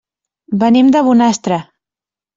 Venim de Bonastre.